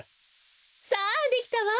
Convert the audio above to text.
さあできたわ。